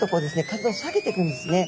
体を下げていくんですね。